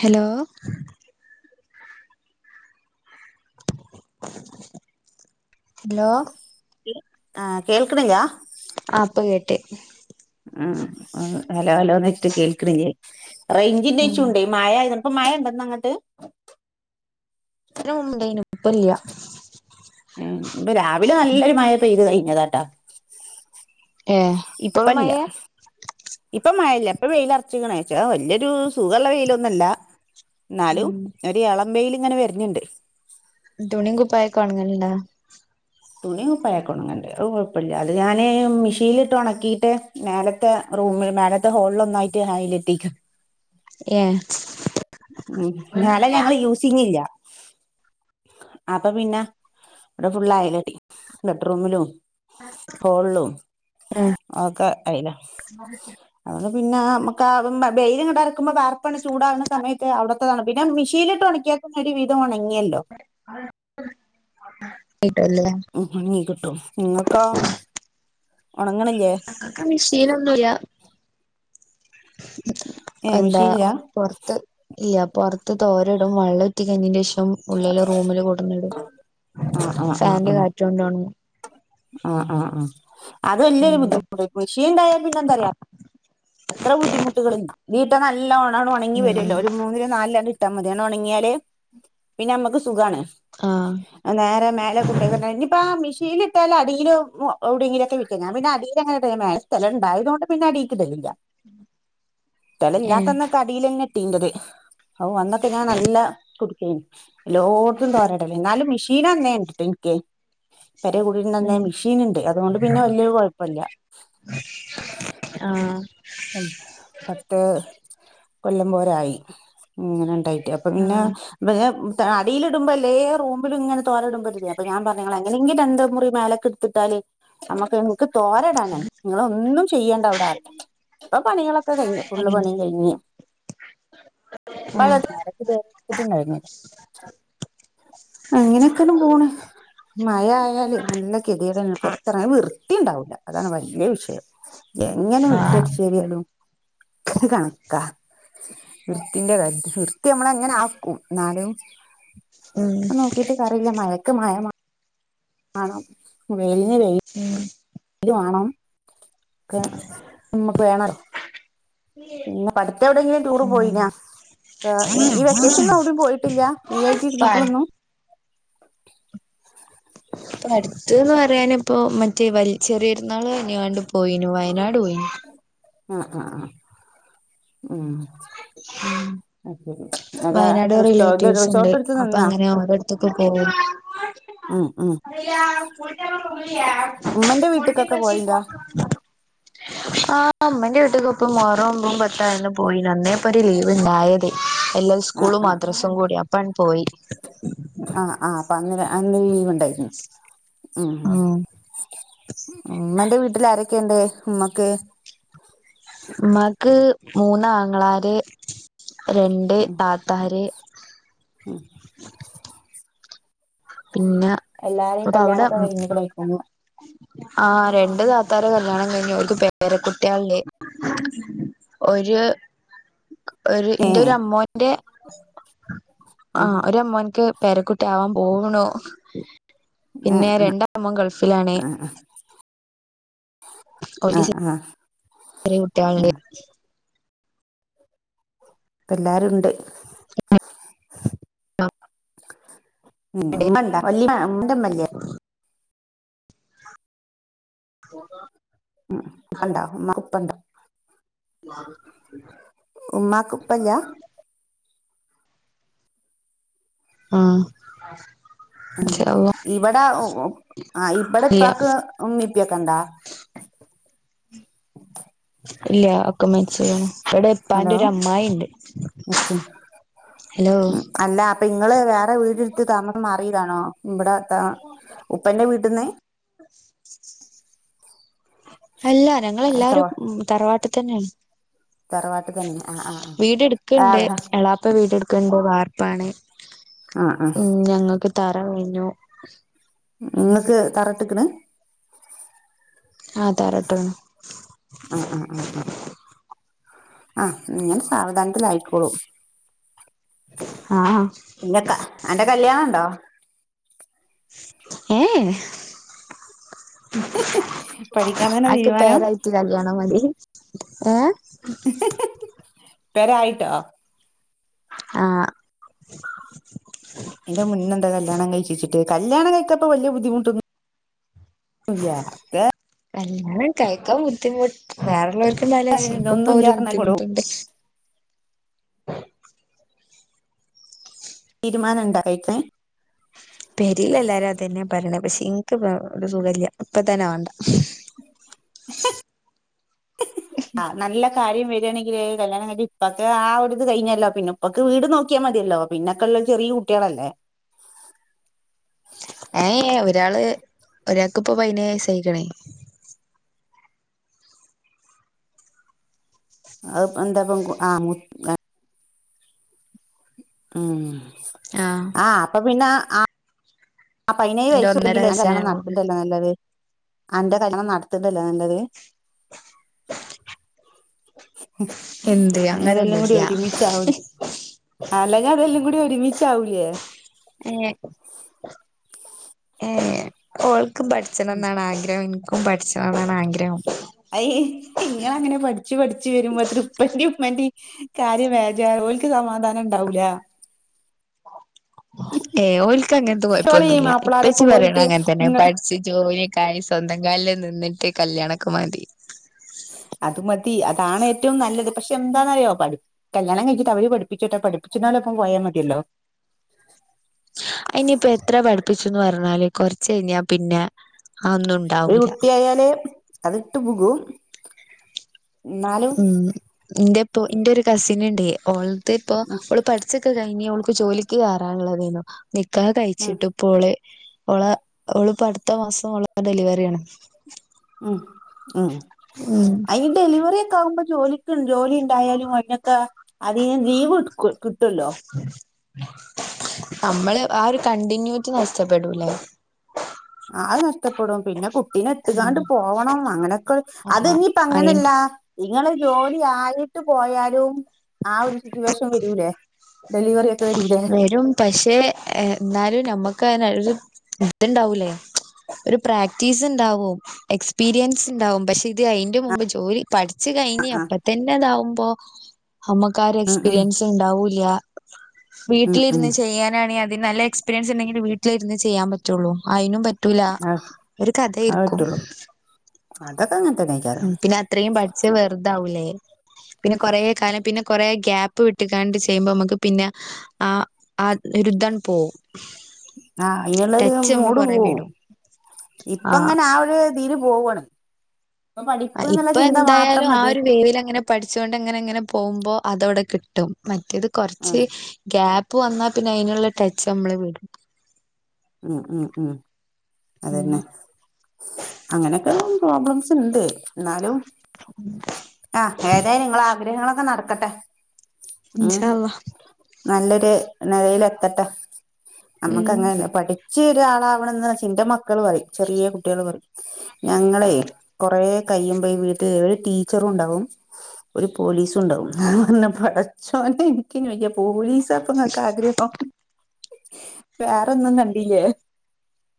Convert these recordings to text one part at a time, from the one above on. Hello ലോ ആഹ് കേൾക്ക്ണില്ലാ ആഹ് ഇപ്പം കേട്ട് ഉം ഹലോ ഹലോന്ന്ച്ചിട്ട് കേക്ക്ണില്ലേ റെയ്ഞ്ചിന്റെ ഇഷ്യൂണ്ടേ ഇതിന് മഴയായത് ഇപ്പം മഴണ്ടാെന്നങ്ങട്ട് ണ്ടേയ്നു ഇപ്പല്ല്യാ ഏഹ് പ്പ രാവിലെ നല്ലൊരു മഴ പെയ്ത് കയ്ഞ്ഞതാട്ടാ ഏ ഇപ്പളും ഇപ്പല്ലാ മഴയാ ഇപ്പം മയല്ല ഇപ്പം വെയ്ലർച്ച്ക്ക്ണ് ത്ര വല്യാെരു സുഖള്ള വെയ്ലൊന്നു അല്ലാ ന്നാലും ഉം ഒര് എളംബെയ്ല്ങ്ങെനെ വെര്ണ്‌ണ്ട് തുണിം കുപ്പായാെക്കെ ഒൺങ്ങൽണ്ടാ തുണിം കുപ്പായാെക്കെ ഒണ്ങ്ങ്ണ്ട് അത് കുഴപ്പല്ല അത് ഞാന് മിഷീൻല്ട്ട് ഒണെക്കീട്ട് മേലെത്തെ റൂമ്‌ല് മേലെത്തെ ഹോള്ൽ ഒന്നായ്ട്ട് അയലെട്ടീക്കാ ഏഹ് ഉം മേലെ ഞങ്ങള് യൂസിംഗ് ഇല്ല അപ്പൊ പിന്നെ ഇവിടെ ഫുള്ളയലെട്ടി ബെഡ്റൂമ്‌ലും ഹോൾളും ഓക്കെ അയ്ലാ അതോണ്ട് പിന്നെ മക്കാ ബെയില്ങ്ങട്ടറക്കുമ്പോ വാർപ്പാണ്ട് ചൂടാക്ന്ന സമയത്ത് അവ്ട്ത്തെതാണ് പിന്നെ മിഷീൻല് ഒൺക്ക്യാ ഒരു വിധം ഒണങ്ങ്യല്ലോ ട്ടല്ലേ ഉം ഒൺങ്ങി കിട്ടും നിങ്ങക്കാേ ഒണെങ്ങ്ണില്ലേ ങ്ങക്ക് മിഷീനൊന്നുല്ലാ ഏ എന്താ മിഷീനില്ല പൊറത്ത് ഇല്ല പുറത്ത് തോരോടും വെള്ള ഒട്ടിക്കഞ്ഞിന്റെഷം ഉള്ളില് റൂമില് കൂടുന്നും ഫാന്റെ കാറ്റ്‌ കൊണ്ടോണങ്ങും ആഹ് ആഹ് ഉം അത് വല്യൊരു ഉം ബുദ്ധിമുട്ട് മെഷീൻ ഉണ്ടായാൽ പിന്നെ എന്ത അറിയാം ഇത്ര ബുദ്ധിമുട്ടുകള് നീൽ ഇപ്പ നല്ലോണം ഒണങ്ങി ഉം വരുഅല്ലോ ഒരു മൂന്നില നാലിലോ ഇട്ടാൽ മതിയാണ് അണ്ട് ഒണങ്ങിയാല് പിന്നെ അമ്മക്ക് സുഖാണ് ആഹ് നേരെ മേലെ കൊണ്ടക്ക ഇനിപ്പ മിഷീനിൽ ഇട്ടാല അടിയിലും എവിടുങ്കിലൊക്കെ വിരി ക്ക ഞാ പിന്നെ അടിയിൽ അങ്ങനെഇടും മേലെ സ്ഥലംണ്ടായതുകണ്ട് പിന്നെ അടികിടലില്ല [inaudible] ഏ സ്ഥലല്ലാത്തന്നൊക്കെ അടിലെന്ന ഇട്ടീന്റത് ഓ അന്നൊക്കെ ഞാൻ നല്ല എല്ലോട്തും തോരടല് ന്നാലും മെഷീൻ അന്നേ ഉണ്ടിട്ട ഇനിക്ക്‌ പേരെ കൂടിലിന് ന്നെ ഉം മെഷീൻ ഇണ്ട് അതുകൊണ്ട് പിന്നെ വല്യ കുഴപ്പല്ല്യ [inaudible] ആഹ് പത്ത് കൊല്ലം പോരായിങ്ങനെണ്ടായി പ്പൊ പിന്ന ആഹ് വേ ത അടിയിടുമ്പോ ല്ലേ റൂമിലുങ്ങന തോരടുമ്പോ ല്ലേ അപ്പ ഞാൻ പറഞ്ഞള ങ്ങനെയെങ്കിലും രണ്ടു മുറി മേലക്കെ ത്തിട്ടാല് നമ്മക്ക് ഇൻക്ക് തോരടാനാണ് ങ്ങളോന്നും ചെയ്യേണ്ട അവിടെ [unintelligible] ഇപ്പൊ പണികളൊക്കെ കഴിഞ്ഞു ഫുള്ള് അങ്ങനെ പണി കഴിഞ്ഞ് [unintelligible] ആഹ് റ്റ് രുന്ന് ണ്ടായി അങ്ങനെയൊക്കെങ് പോണ് മഴയായല് നല്ല ഗതിയേടാണ് പൊറ റത്തിറങ്ങാ വൃത്തിണ്ടാവൂല്ല അതാണ് വല്ല്യ വിഷയം എങ്ങനെ ആഹ് മിറ്റടി കണക്കാ വൃത്തിന്റെ കാര്യത്തി നമ്മള ങ്ങനെ ആക്കും ന്നാലും ഉം നോക്കിട്ട് കാര്യല്ല മഴക്ക് മയ വാണം വെയിൽന് വെയിൽ ഉം [inaudible] പിന്ന പ്പടുത്തവിടേലും ടൂർ ഉം പോയിന ഈ വെക്കേഷലെവിടെയും പോയിട്ടില്ല ഫ്രീ ഇപ്പ ആയിട്ടിരുന്നപ്പോളൊന്നും [inaudible] ഇപ്പടുത്ത്‌ന്ന് പറയാന് ഇപ്പോ മറ്റേ വലി ചെറിയൊരുന്നാൾ കഴിഞ്ഞിങാണ്ട് പോയിനു വയനാട് പോയിനു ആആആഹ് ഉം ഉം ശരി അതെ വയനാട് റിസോ ഇത് റിലേറ്റീവ്സ് ഇണ്ട് റിസോർട്ട് എടുത്ത് അപ്പൊ നിന്നാ അങ്ങനെ അവരട്ത്ത്ക്ക് പോവും ഉം ഉം ഉമ്മന്റെ വീട്ടിക്കൊക്കെ പോയിണ്ടോ [unintelligible] [inaudible] ആമ്മന്റെ വീട്ടിലിപ്പ മുഹറംമ്പതും പത്തായി പോയി ന്ന് അന്നേപ്പൊ ഒരു ലീവ്ണ്ടായത് എല്ലാം ആ സ്കൂളും ആ മദ്രസും കൂടി അപ്പ അണ് പോയി പ്പ അങ്ങനെ അന് ലീവിണ്ട് [unintelligible] ഉം ഉമ്മന്റെ വീട്ടില് ആരൊക്കെണ്ട് മ്മക്ക്‌ മ്മാക് മൂന്നങ്ങളാര് രണ്ട് താത്താര് മ്മ് പിന്ന എല്ലാരേം കല്യാണൊക്കെ കഴിഞ്ഞിക്കിണെക്കും ആ രണ്ട് താത്താരെ കല്യാണം കഴിഞ്ഞു ഒര്ക്ക് പേര കുട്ട്യാൾ ഒര് ഒരു ഏ ന്റെ ഒരു അമ്മോന്റെ ആ ഉം ഒരു അമ്മോനക്ക് പേരെ കുട്ടി ട്ട്യാവാൻ പോവുണു ഏഹ് പിന്നെ ആഹ് രണ്ടമ്മോൻ ഗൾഫിലാണ് ആഹ് ഓരു [unintelligible] ചെര്യ ഉം കുട്ട്യാൾല്ലേ പ്പംല്ലാരുണ്ട് [inaudible] ഇമ്മ ണ്ട വലിയ ഇമ്മന്റഇമ്മ ല്ലേ [unintelligible] [unintelligible] ഉ ഉപ്പണ്ടാ ഉമ്മ ഉപ്പ ണ്ട [unintelligible] [unintelligible] ഉമ്മാക്ക്‌ ഉപ്പയില്ല ആഹ് ഉം ഇൻഷാ അല്ലാഹ് ഇവിടെ ആ ഇവിടെ ഇല്ല ഉപ്പാക്ക് ഉമ്മിയും ഉപ്പയൊക്കെ ഇണ്ടോ ഇല്ല ഇക്ക മരിച്ചു വീണു ഇടെ [unintelligible] ഉപ്പാന്റെ ഹലോ ഒരു അമ്മായി ഉണ്ട് ഹലോ അല്ല അപ്പൊ ഇങ്ങള് വേറെ വീടെടുത്ത് താമസം മാറിയതാണോ ഇവിടത്തെ ആ ഉപ്പന്റെ വീട്ടിന്ന്- അല്ല തറ ഞങ്ങളെല്ലാരും തറവാട്ടിൽ തന്നെയാണ് തറവാട്ടിതന്നെ ആഹ് വീട് ആഹ് എടുക്കണ്ട് ആഹ് എളാ- ഇപ്പൊ വീടെടുക്കാൻ പോവാ വാർപ്പാണെ ആഹ് ആഹ് ഉം ഞങ്ങക്ക് തറ കഴിഞ്ഞു നിങ്ങക്ക് തറയിട്ട്ക്ക്‌ണ് ആ തറയിട്ട് അഹ് അഹ് അ ഹ് അഹ് ആഹ് നിങ്ങൾ സാവധാനത്തിൽയായിക്കോളു ആഹ് പിന്നെക്ക അന്റെ കല്യാണം ഉണ്ടോ ഏയ് പഠിക്കാൻ തന്നെ തീരുമാനം എനിക്ക് കല്ല്യാണം മതി ഏഹ പെരയായിട്ടോ ആഹ് എന്റെ മുന്നെ [unintelligible] ന്ത കല്യാണം കഴിഴിച്ചിട്ട് കല്യാണം കഴിച്ചപ്പോ വലിയ ബുദ്ധിമുട്ടു ഒന്നും ഇല്ലാ അതൊക്കെ കല്യാണം കഴിക്കാൻ ബുദ്ധിമുട്ട് വേറേയുള്ളവർക്കെണ്ടാല് ശി [unintelligible] ക്ക ഇപ്പ ഒന്നുമില്ല അവര് പറഞ്ഞാൽ കൊണ്ടു ബുദ്ധിമുട്ടുണ്ട് തീരുമാനം എന്താ അറിക്കണേ പെരേല് എല്ലാരും അത് തന്നെയാ പറയണേ പക്ഷെ എനിക്ക് ഒരു സുഖവില്ല ഇപ്പ തന്നെ വേണ്ട സും [unintelligible] ആ നല്ല കാര്യം വരിയാണെങ്കില് കല്യാണം കഴിഞ്ഞ് ഇപ്പൊക്കെ ആ ഒരുരിത് കഴിഞ്ഞല്ലോ പിന്നെ - ഇപ്പൊക്ക് വീട് നോക്കിയാ മതിയല്ലോ പിന്നൊക്കെയുള്ളത് ചെറിയാ കുട്ടികളല്ലേ ഏയ് ഒരാള് ഒരാൾക്കിപ്പൊ പയിനെഴ് വയസ്സ് ആയിരിക്കാണ് അത് എന്താപ്പ ആ മൂത്ത- ഉം ആഹ് ആഹ് അപ്പം പിന്നെ ആ പതിനേഴ് എന്റെ ഒന്നര വയസ്സുണ്ടെങ്കിലെ അന്റെ കല്ല്യാണം വയസ്സിനാണ് നടത്തിണ്ടല്ലോ നല്ലത് അന്റെ കല്യാണം നടത്തിണ്ടല്ലോ നല്ലത് എന്ത് അങ്ങതെല്ലാം കൂടി അങ്ങനൊന്നുല്ല ഒരുമിച്ചാവുല ആ അല്ലങ്കിൽ അതെല്ലാം കൂടി ഒരുമിച്ചാവൂലെ ഏ [unintelligible] ഏ ഓൽക്കും പഠി- ച്ചണം എന്നാണ് ആഗ്രഹം എനിക്കും പഠിച്ച്ആവാൻ ആഗ്രഹം അയ് ഇങ്ങള് അങ്ങനെ പഠിച്ചു പഠിച്ചു വരുമ്പോ അത് ഉപ്പന്റെയും ഉമ്മന്റെയും- കാര്യം വേജറ് ഓല്ക്ക് സമാധാനം ഉണ്ടാവൂല്ല ഏ ഓള്ക്ക് അങ്ങനത്തെ ഓള് ഈ കൊഴപ്പൊന്നുമില്ല ഇപ്പച്ചി മാപ്പിളാരൊപ്പം പറയണ പോയിട്ട് അങ്ങനെ തന്നെ ഇങ്ങ പഠിച്ചു ജോലി- ഗയിസ് സ്വന്തം കാലിൽ നിന്നിട്ട് കല്യാണക്കെ മതി അതുമതി അതാണ് ഏറ്റവും നല്ലത് പക്ഷെ എന്താന്നറിയോ പഠി- കല്യാണം കഴിഞ്ഞിട്ട് അവര് പഠപ്പിച്ചോട്ടോ പഠപ്പിച്ചുന്നാലൊപ്പം പോയാ മതിയല്ലോ അനിയിപ്പ എത്ര പഠിപ്പിച്ചുന്ന് പറഞ്ഞാല് കൊറച്ചു കഴിഞ്ഞാ പിന്നെ അതൊന്നും ഒരു ഉണ്ടാവൂല കുട്ടിയായാലേ അതിട്ട് പോകു എന്നാലും എന്റെ ഇപ്പോ എന്റെ ഒരു കസിനുണ്ടെ ഓളത്തെ ഇപ്പോ ഉം ഓള് പഠി ച്ചൊക്കെ കഴിഞ്ഞ് ഓള്ക്ക് ജോലിക്ക് കയറാനുള്ളതായിരുന്നു നിക്കാഹ് ഉം കഴിച്ചിട്ടിപ്പോളെ ഓള് ഓളിപ്പാ അടുത്ത മാസം അവള്ടെ ഡെലിവറിയാണ് ഉം ഉം ഉം അയി ഡെലിവറിയൊക്കെ ആകുമ്പോ ജോലിക്ക് ജോലിണ്ടായാലും അതിനൊക്കെ അദ്ദേഹം ലീവ് ഇട്ക്ക് ക്ക് ട്ടല്ലോ [inaudible] നമ്മള് ആഹ് ഒരു കണ്ടിന്യൂറ്റി നഷ്ട്ടപ്പെടൂലേ ആഹ് അത് നഷ്ടപ്പെടും പിന്നെ കുട്ടീനെ ഇട്ട്ക്കാണ്ട് ഉം പോവണം അങ്ങനൊക്കെ ആഹ് അയിന് അത്ഞ്ഞിപ്പങ്ങനല്ല ഇങ്ങൾ ജോലി ആയിട്ട് പോയാലും ആഹ് ഒരു സിറ്റുവേഷൻ വരൂലേ ഡലിവറി വരും പക്ഷെ ഏഹ് എന്നാലും നമ്മക്ക് [unintelligible] ഇണ്ടാവൂലേ ഒരു പ്രാക്ടീസ് ഇണ്ടാവും എക്സ്പീരിയൻസ് ഇണ്ടാവും പക്ഷെ ഇ ഇത് അയിന്റെ മുമ്പ് ജോലി പഠിച്ച് ആ കഴിഞ്ഞ് ആ അപ്പ തന്നെ അതാവുമ്പോ നമ്മക്ക് ആഹ് ഒരു ഉം ഉം എക്സ്പീരിയൻസ് ഉണ്ടാവൂല്ല ഉം ഉം വീട്ടിലിരുന്ന് ചെയ്യാനാണെ പിന്നെ നല്ല എക്സ്പീരിയൻസ് ഇണ്ടെങ്കിൽ വീട്ടിൽ ഇര്ന്ന് ചെയ്യാൻ പറ്റൊള്ളൂ അയിനും പറ്റ് റ്റൂല അത് ഒരു അത് കഥയിരിക്കും പറ്റുള്ളൂ അതൊക്കെ അങ്ങൻതന്നെക്കാ ഉം പിന്നെ അത്രയും പഠിച്ച വെറുതാവൂലേ പിന്നെ കൊറേ കാലം പിന്നെ കൊറേ ഗ്യാപ്പ് വിട്ട്കാണ്ട് ചെയ്യുമ്പോ നമ്മക്ക് പിന്നെ ആഹ് ആഹ് ഒരുദ്ധങ്ങട്ട് പോകും ആഹ് അയിനുള്ളൊരു മൂട് പോവോ വിടും ഇപ്പ അങ്ങനെ ആഹ് ഒരു ഇതില് പോവാണ് ഇപ്പൊ പഠിപ്പ് ആഹ് എന്നുള്ള ഇപ്പൊ ചിന്ത മാത്രം എന്തായാലും ആഹ് മതി ഒരു വേവിലങ്ങനെ പഠിച്ചോണ്ട് ങ്ങനെ ങ്ങനെ പോകുമ്പോ അതവിടെ കിട്ടും മറ്റേത് ആ കൊർച്ച് ഗ്യാപ്പ് വന്നാ പിന്നെ അയിനുള്ള ടച്ച് നമ്മള് വിടും ഉം ഉം ഉം ഉം അതന്നെ അങ്ങനൊക്കെ പ്രോബ്ലംസ് ഉണ്ട് ന്നാലും ആഹ് ഏതായാലും ഇങ്ങള ആഗ്രഹങ്ങളൊക്കെ നടക്കട്ടെ ഉം ഇൻഷാ അള്ളാ നല്ലൊരു നെലയിൽ എത്തട്ടെ നമ്മക്ക് ഉം അങ്ങനെല്ലേ പഠിച്ച് ഒരാളാവണെന്നാ ഇന്റെ മക്കള് പറയും ചെറിയ കുട്ട്യാൾ പറയും ഞങ്ങളെ കൊറെ കഴിയുമ്പോ ഈ വീട്ടിൽ ഒരു ടീച്ചറും ഉണ്ടാവും ഒരു പോലീസും ഉണ്ടാവും [unintelligible] പടച്ചോനെ [unintelligible] പോലീസ് അപ്പ ങ്ങക്ക് ആഗ്രഹം വേറൊന്നും കണ്ട [unintelligible]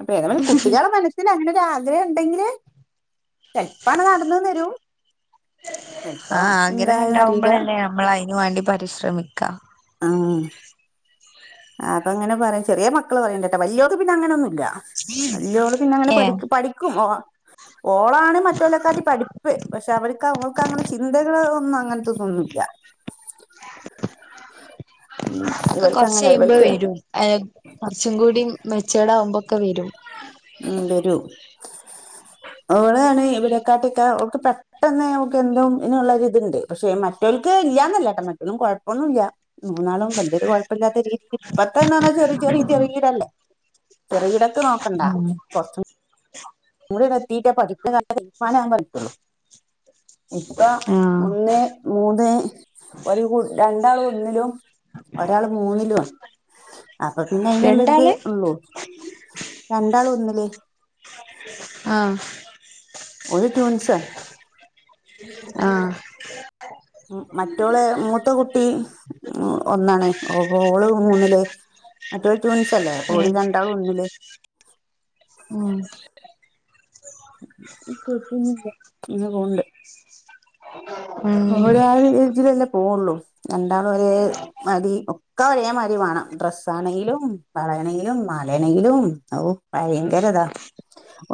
അപ്പൊ ഏതായാലും കുട്ടികളെ മനസ്സിൽ അങ്ങനെ ഒരു ആഗ്രഹം ഉണ്ടെങ്കില് ചെൽപ്പാണ്ട് നടന്നൂന്ന് വരും ചെൽപ്പോ എന്തായന്ന്റിയില്ല നമ്മള് അയിന് വാണ്ടി പരിശ്രമിക്കാം ആഹ് ആഹ് അപ്പൊ അങ്ങനെ പറയും ചെറിയ മക്കള് പറയ്ണ്ട്ട്ടാ വല്യോക്ക് പിന്നെ അങ്ങനൊന്നുല്ല വല്ലോള് പിന്നെ അങ്ങനെ ഏ പഠിക്ക് പഠിക്കും ഒ ഓ ഓളാണ് മറ്റോലക്കാട്ടി പഠിപ്പ് പക്ഷെ അവർക്ക് അവക്ക് അങ്ങനെ ചിന്തകള് ഒന്നും അങ്ങ ന്നുല്ല ഉം ഇവൾക്ക് അ കൊറചയ്യുമ്പോ വരും ഏഹ് കോർച്ചും കൂടി മെച്ചേർഡ് ആവുമ്പൊക്കെ വരും ഉം വരും ഓളാണ് ഇവിരെക്കാട്ടിയെക്കെ ഓക്ക് പെ ട്ടെന്ന് ഓക്ക് എന്തും തിനുള്ളരിത്ണ്ട് പക്ഷേ മറ്റോൽക്ക് ഇല്ലാന്നല്ലട്ടോ മറ്റതും കൊഴപ്പൊന്നുല്ല മൂന്നാളും വല്യൊരു കൊഴപ്പല്ലാത്ത രീതില് ഇപ്പത്തെന്താന്നാ ചെറി ചെറി ചെറിയ്യതല്ലേ ചെറിയിടക്ക് നോക്കണ്ട ഉം കൊർച്ചും ഒന്നൂടിയൊക്കെ എത്തിട്ടെ പഠി [unintelligible] തീരുമാന പറ്റുള്ളൂ. ഇപ്പ ആ ഒന്ന്, മൂന്ന്. ഒരു കു രണ്ടാള് ഒന്നിലും ഒരാള് മൂന്നിലു ആണ്. അപ്പ പിന്നെ അയിനുള്ളരിത് രണ്ടാള് ഒള്ളൂ രണ്ടാള് ഒന്നില്. ആഹ്. ഒല് റ്റൂൻസാ. ആഹ്. മറ്റോള് മൂത്ത കുട്ടി. ഉ ഒന്നാണ് ഓ ഓള് മൂന്നില്. മറ്റെ ട്വിൻസ് അല്ലെ അപ്പോ രണ്ടാളും ഒന്നില്. ആഹ്. കൊഴപ്പൊന്നുല്ല ഇങ്ങനെ പോക്ണ്ട്. [inaudible] ഉം. ഓല് ആഹ് രീതിലല്ലേ പോവുള്ളൂ രണ്ടാള്. മതി ഒക്കെ ഒരേ മാതി വാണം ഡ്രെസ്സ് ആണെങ്കിലും വളയണെങ്കിലും മാലേണെങ്കിലും ഹൗ. ഭയങ്കരതാ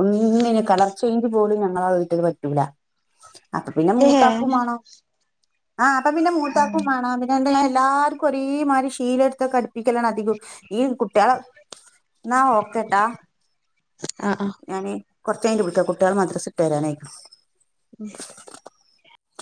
ഒന്നിനും കളർ ചേഞ്ച് പോലും ഞങ്ങളെ വീട്ടില് പറ്റൂല. അത് പിന്നെ ഏ മൂത്താക്കും മാണം. ആഹ് അപ്പൊ പിന്നെ ആ മൂത്താക്കും മാണം പിന്നെ എന്ത ഞാൻ എല്ലാർക്കും ഒരേമാതിരി ശീലെട്ത്തക്കെട്പ്പിക്കലാണ് അധികം. ഈ കുട്ടിളെ ന്നാ ഓക്കേട്ടാ. ആഹ് ആ ഞാന് കൊറ്ച്ച കഴിഞ്ഞ്ട്ട് വിളിക്ക കുട്ടികൾ മദ്രസ് വിട്ട് വരാനായിക്കണ്.